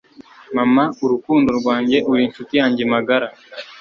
Mama urukundo rwanjye uri inshuti yanjye magara